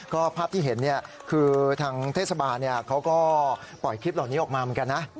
ก็ภาพที่เห็นคือทางเทศบาลเขาก็ปล่อยคลิปเหล่านี้ออกมาเหมือนกันนะ